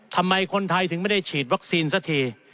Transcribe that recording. ทำไมคนไทยถึงไม่ได้ฉีดวัคซีนสักที